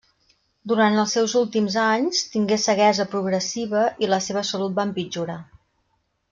Durant els seus últims anys tingué ceguesa progressiva i la seva salut va empitjorar.